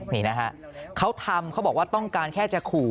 นี่นะฮะเขาทำเขาบอกว่าต้องการแค่จะขู่